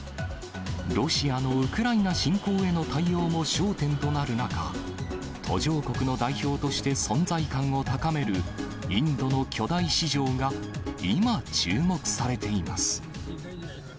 ロシアのウクライナ侵攻への対応も焦点となる中、途上国の代表として存在感を高めるインドの巨大市場が、今、注目されています。